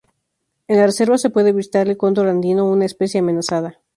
En la reserva se puede avistar el cóndor andino, una especie amenazada.